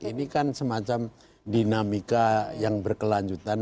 ini kan semacam dinamika yang berkelanjutan